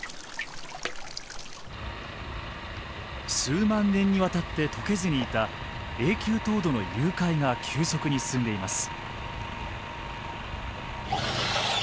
数万年にわたってとけずにいた永久凍土の融解が急速に進んでいます。